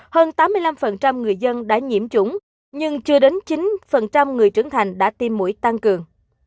hơn tám mươi năm người dân đã nhiễm chủng nhưng chưa đến chín người trưởng thành đã tiêm mũi tăng cường